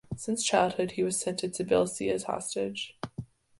Since childhood he was sent to Tbilisi as hostage.